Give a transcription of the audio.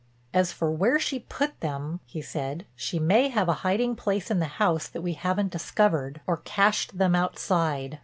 "As for where she put them," he said, "she may have a hiding place in the house that we haven't discovered, or cached them outside.